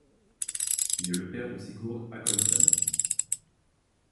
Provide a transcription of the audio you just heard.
Il est le père de Sigurd Håkonsson.